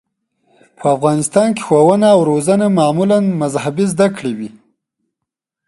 په افغانستان کې ښوونه او روزنه معمولاً مذهبي زده کړې وې.